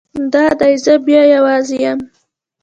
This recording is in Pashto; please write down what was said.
دا دی زه بیا یوازې یم.